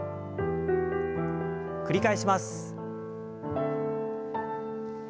繰り返します。